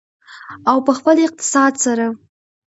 او په خپل اقتصاد سره.